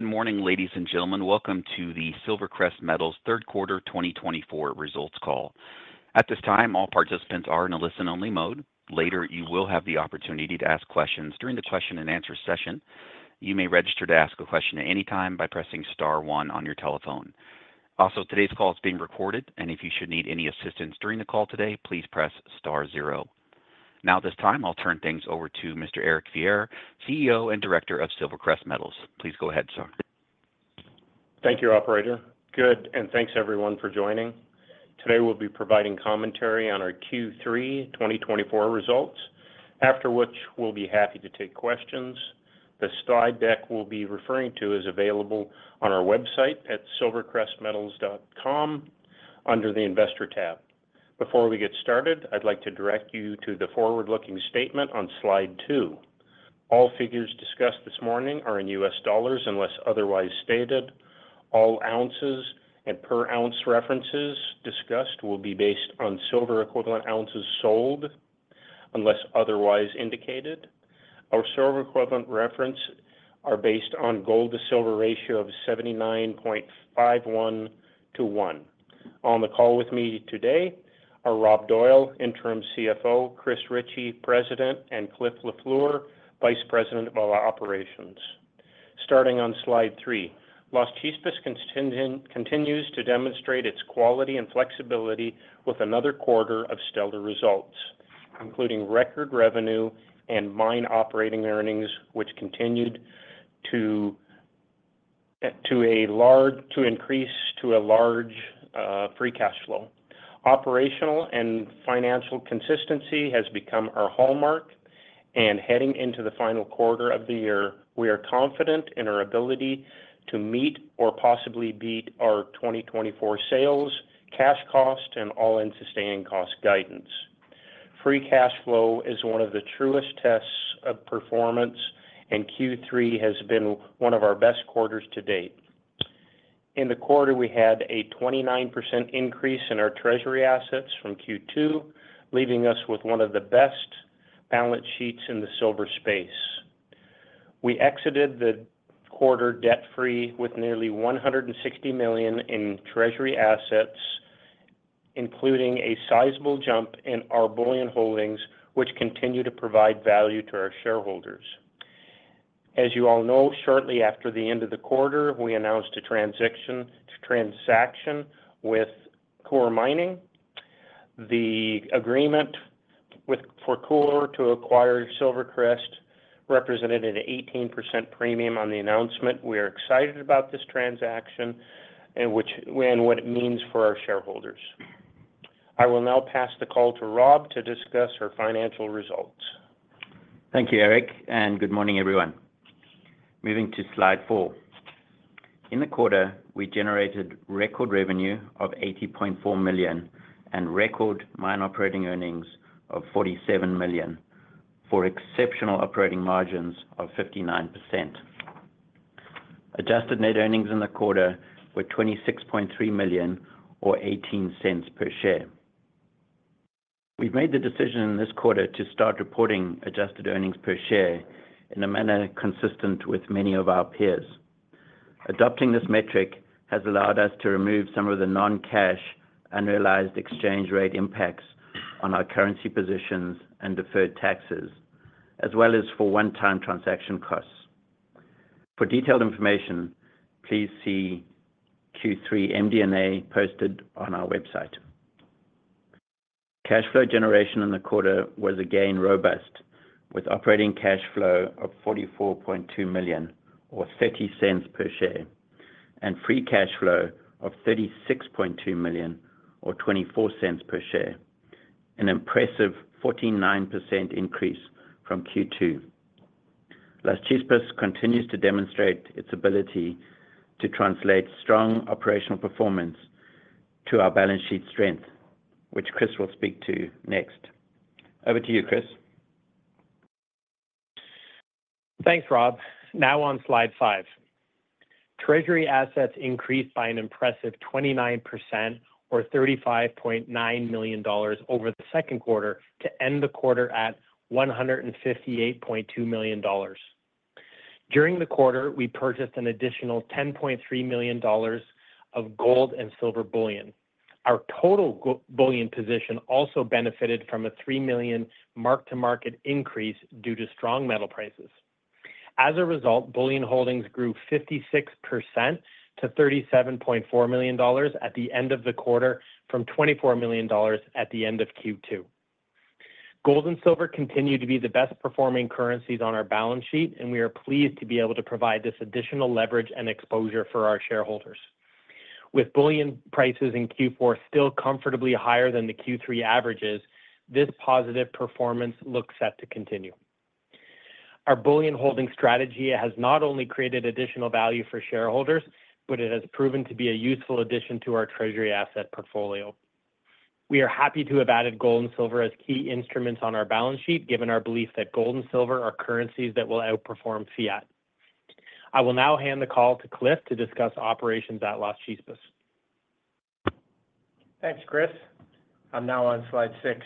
Good morning, ladies and gentlemen. Welcome to the SilverCrest Metals Third Quarter 2024 results call. At this time, all participants are in a listen-only mode. Later, you will have the opportunity to ask questions during the question-and-answer session. You may register to ask a question at any time by pressing star one on your telephone. Also, today's call is being recorded, and if you should need any assistance during the call today, please press star zero. Now, at this time, I'll turn things over to Mr. Eric Fier, CEO and Director of SilverCrest Metals. Please go ahead, sir. Thank you, Operator. Good, and thanks everyone for joining. Today, we'll be providing commentary on our Q3 2024 results, after which we'll be happy to take questions. The slide deck we'll be referring to is available on our website at silvercrestmetals.com under the Investor tab. Before we get started, I'd like to direct you to the forward-looking statement on slide two. All figures discussed this morning are in U.S. dollars unless otherwise stated. All ounces and per-ounce references discussed will be based on silver equivalent ounces sold unless otherwise indicated. Our silver equivalent references are based on gold to silver ratio of 79.51 to 1. On the call with me today are Rob Doyle, Interim CFO, Christopher Ritchie, President, and Cliff Lafleur, Vice President of Operations. Starting on slide three, Las Chispas continues to demonstrate its quality and flexibility with another quarter of stellar results, including record revenue and mine operating earnings, which continued to increase to a large free cash flow. Operational and financial consistency has become our hallmark, and heading into the final quarter of the year, we are confident in our ability to meet or possibly beat our 2024 sales, cash cost, and all-in sustaining cost guidance. Free cash flow is one of the truest tests of performance, and Q3 has been one of our best quarters to date. In the quarter, we had a 29% increase in our treasury assets from Q2, leaving us with one of the best balance sheets in the silver space. We exited the quarter debt-free with nearly $160 million in treasury assets, including a sizable jump in our bullion holdings, which continue to provide value to our shareholders. As you all know, shortly after the end of the quarter, we announced a transaction with Coeur Mining. The agreement for Coeur to acquire SilverCrest represented an 18% premium on the announcement. We are excited about this transaction and what it means for our shareholders. I will now pass the call to Rob to discuss our financial results. Thank you, Eric, and good morning, everyone. Moving to slide four. In the quarter, we generated record revenue of $80.4 million and record mine operating earnings of $47 million for exceptional operating margins of 59%. Adjusted net earnings in the quarter were $26.3 million, or $0.18 per share. We've made the decision in this quarter to start reporting adjusted earnings per share in a manner consistent with many of our peers. Adopting this metric has allowed us to remove some of the non-cash annualized exchange rate impacts on our currency positions and deferred taxes, as well as for one-time transaction costs. For detailed information, please see Q3 MD&A posted on our website. Cash flow generation in the quarter was again robust, with operating cash flow of $44.2 million, or $0.30 per share, and free cash flow of $36.2 million, or $0.24 per share, an impressive 49% increase from Q2. Las Chispas continues to demonstrate its ability to translate strong operational performance to our balance sheet strength, which Chris will speak to next. Over to you, Chris. Thanks, Rob. Now on slide five, treasury assets increased by an impressive 29%, or $35.9 million, over the second quarter to end the quarter at $158.2 million. During the quarter, we purchased an additional $10.3 million of gold and silver bullion. Our total bullion position also benefited from a $3 million mark-to-market increase due to strong metal prices. As a result, bullion holdings grew 56% to $37.4 million at the end of the quarter from $24 million at the end of Q2. Gold and silver continue to be the best-performing currencies on our balance sheet, and we are pleased to be able to provide this additional leverage and exposure for our shareholders. With bullion prices in Q4 still comfortably higher than the Q3 averages, this positive performance looks set to continue. Our bullion holding strategy has not only created additional value for shareholders, but it has proven to be a useful addition to our treasury asset portfolio. We are happy to have added gold and silver as key instruments on our balance sheet, given our belief that gold and silver are currencies that will outperform fiat. I will now hand the call to Cliff to discuss operations at Las Chispas. Thanks, Chris. I'm now on slide six.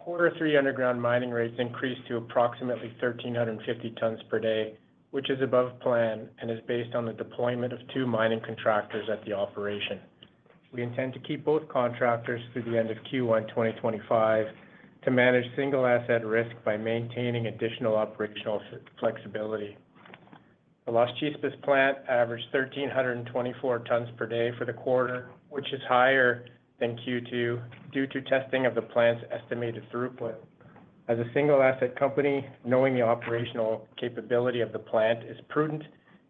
Quarter three underground mining rates increased to approximately 1,350 tons per day, which is above plan and is based on the deployment of two mining contractors at the operation. We intend to keep both contractors through the end of Q1 2025 to manage single asset risk by maintaining additional operational flexibility. The Las Chispas plant averaged 1,324 tons per day for the quarter, which is higher than Q2 due to testing of the plant's estimated throughput. As a single asset company, knowing the operational capability of the plant is prudent,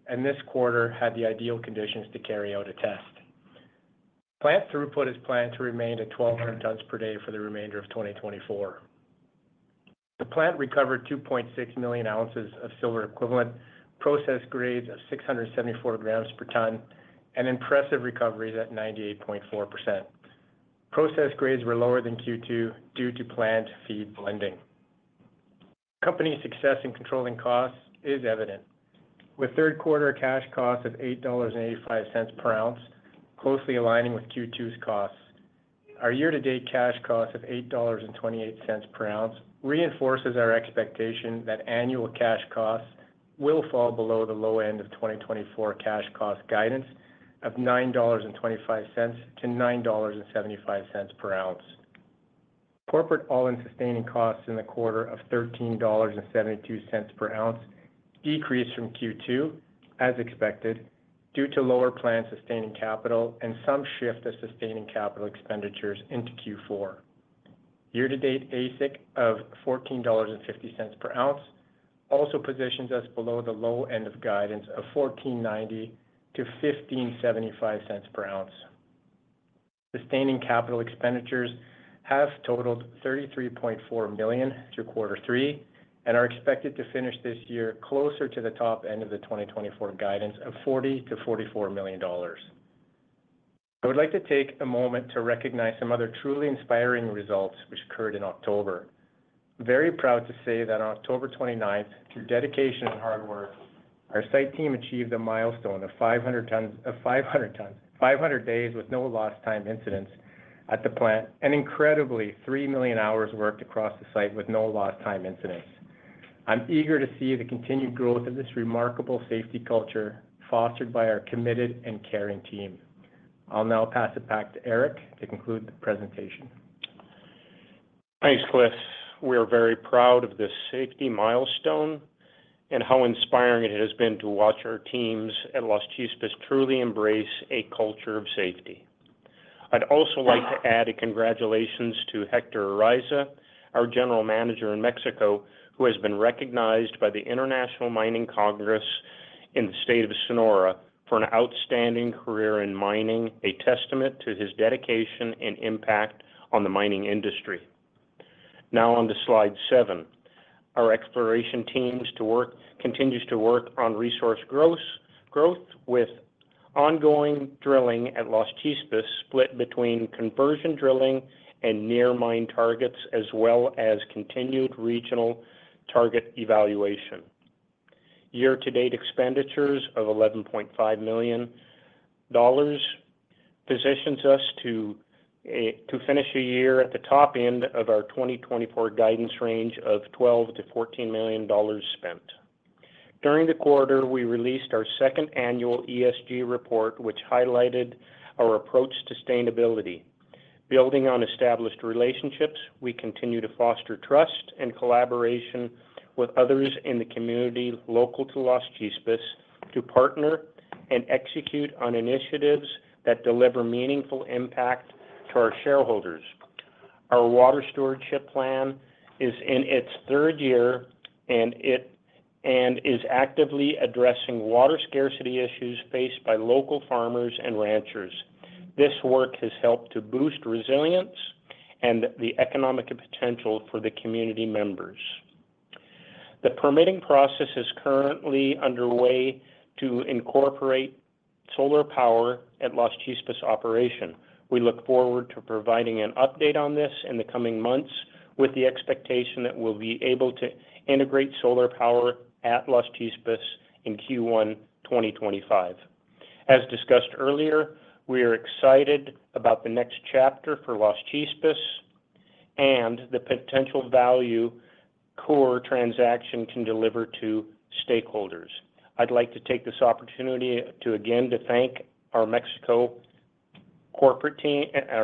and this quarter had the ideal conditions to carry out a test. Plant throughput is planned to remain at 1,200 tons per day for the remainder of 2024. The plant recovered 2.6 million ounces of silver equivalent, processed grades of 674 grams per ton, and impressive recoveries at 98.4%. Processed grades were lower than Q2 due to plant feed blending. Company success in controlling costs is evident, with third quarter cash cost of $8.85 per ounce closely aligning with Q2's costs. Our year-to-date cash cost of $8.28 per ounce reinforces our expectation that annual cash costs will fall below the low end of 2024 cash cost guidance of $9.25-$9.75 per ounce. Corporate all-in sustaining costs in the quarter of $13.72 per ounce decreased from Q2, as expected, due to lower planned sustaining capital and some shift of sustaining capital expenditures into Q4. Year-to-date AISC of $14.50 per ounce also positions us below the low end of guidance of $14.90-$15.75 per ounce. Sustaining capital expenditures have totaled $33.4 million through quarter three and are expected to finish this year closer to the top end of the 2024 guidance of $40-$44 million. I would like to take a moment to recognize some other truly inspiring results which occurred in October. I'm very proud to say that on October 29th, through dedication and hard work, our site team achieved a milestone of 500 days with no lost time incidents at the plant and incredibly 3 million hours worked across the site with no lost time incidents. I'm eager to see the continued growth of this remarkable safety culture fostered by our committed and caring team. I'll now pass it back to Eric to conclude the presentation. Thanks, Cliff. We are very proud of this safety milestone and how inspiring it has been to watch our teams at Las Chispas truly embrace a culture of safety. I'd also like to add a congratulations to Hector Araiza, our general manager in Mexico, who has been recognized by the International Mining Congress in the state of Sonora for an outstanding career in mining, a testament to his dedication and impact on the mining industry. Now on to slide seven, our exploration teams continues to work on resource growth with ongoing drilling at Las Chispas split between conversion drilling and near-mine targets, as well as continued regional target evaluation. Year-to-date expenditures of $11.5 million positions us to finish a year at the top end of our 2024 guidance range of $12-$14 million spent. During the quarter, we released our second annual ESG report, which highlighted our approach to sustainability. Building on established relationships, we continue to foster trust and collaboration with others in the community local to Las Chispas to partner and execute on initiatives that deliver meaningful impact to our shareholders. Our water storage cistern plan is in its third year and is actively addressing water scarcity issues faced by local farmers and ranchers. This work has helped to boost resilience and the economic potential for the community members. The permitting process is currently underway to incorporate solar power at Las Chispas operation. We look forward to providing an update on this in the coming months with the expectation that we'll be able to integrate solar power at Las Chispas in Q1 2025. As discussed earlier, we are excited about the next chapter for Las Chispas and the potential value-creating transaction can deliver to stakeholders. I'd like to take this opportunity to again thank our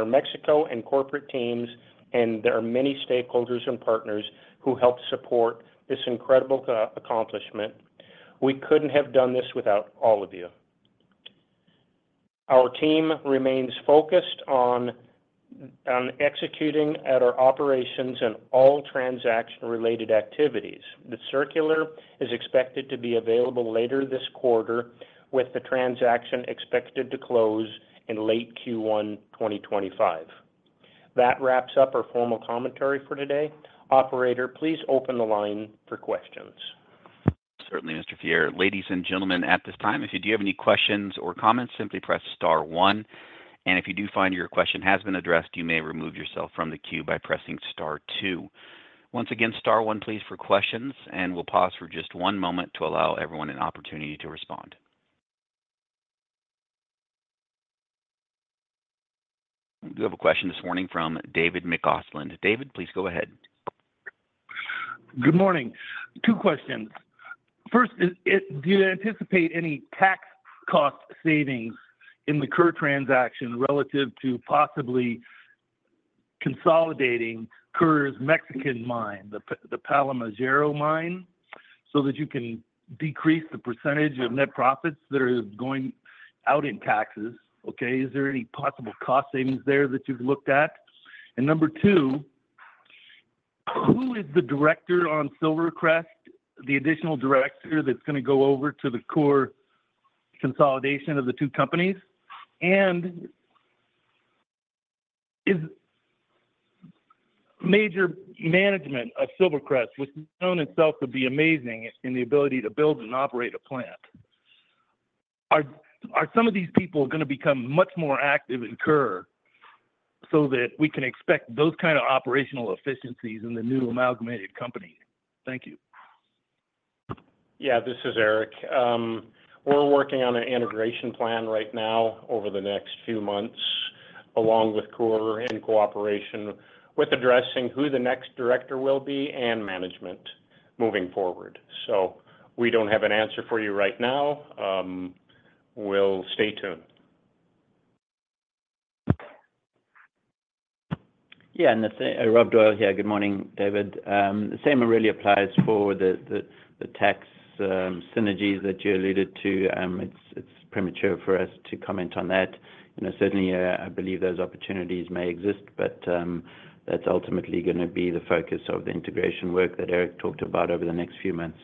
Mexico and corporate teams, and there are many stakeholders and partners who helped support this incredible accomplishment. We couldn't have done this without all of you. Our team remains focused on executing at our operations and all transaction-related activities. The circular is expected to be available later this quarter, with the transaction expected to close in late Q1 2025. That wraps up our formal commentary for today. Operator, please open the line for questions. Certainly, Mr. Fier. Ladies and gentlemen, at this time, if you do have any questions or comments, simply press star one. And if you do find your question has been addressed, you may remove yourself from the queue by pressing star two. Once again, star one, please, for questions, and we'll pause for just one moment to allow everyone an opportunity to respond. We do have a question this morning from David [McGoslyn]. David, please go ahead. Good morning. Two questions. First, do you anticipate any tax cost savings in the current transaction relative to possibly consolidating Coeur's Mexican mine, the Palmarejo mine, so that you can decrease the percentage of net profits that are going out in taxes? Okay. Is there any possible cost savings there that you've looked at? And number two, who is the director on SilverCrest, the additional director that's going to go over to the Coeur consolidation of the two companies? And is major management of SilverCrest, which known itself would be amazing in the ability to build and operate a plant? Are some of these people going to become much more active in Coeur so that we can expect those kinds of operational efficiencies in the new amalgamated company? Thank you. Yeah, this is Eric. We're working on an integration plan right now over the next few months, along with Coeur in cooperation with addressing who the next director will be and management moving forward. So we don't have an answer for you right now. We'll stay tuned. Yeah, and that's Rob Doyle here. Good morning, David. The same really applies for the tax synergies that you alluded to. It's premature for us to comment on that. Certainly, I believe those opportunities may exist, but that's ultimately going to be the focus of the integration work that Eric talked about over the next few months.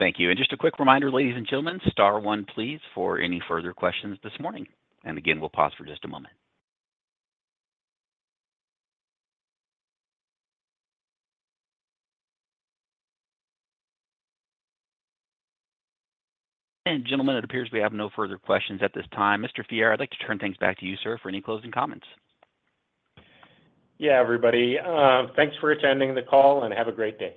Thank you. And just a quick reminder, ladies and gentlemen, star one, please, for any further questions this morning. And again, we'll pause for just a moment. And gentlemen, it appears we have no further questions at this time. Mr. Fier, I'd like to turn things back to you, sir, for any closing comments. Yeah, everybody. Thanks for attending the call and have a great day.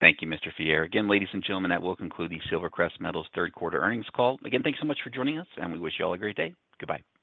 Thank you, Mr. Fier. Again, ladies and gentlemen, that will conclude the SilverCrest Metals third quarter earnings call. Again, thanks so much for joining us, and we wish you all a great day. Goodbye.